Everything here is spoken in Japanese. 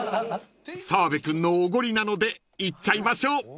［澤部君のおごりなのでいっちゃいましょう！］